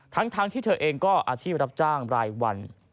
ทั้งที่เธอเองก็อาชีพรับจ้างรายวัน